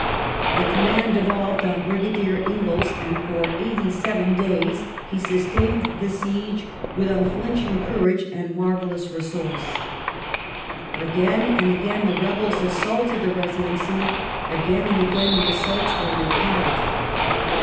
The command devolved on Brigadier Inglis, and for eighty seven days he sustained the siege with unflinching courage and marvellous resource. Again and again the rebels assaulted the Residency ; again and again the assaults were repelled.